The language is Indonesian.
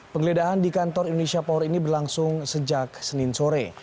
penggeledahan di kantor indonesia power ini berlangsung sejak senin sore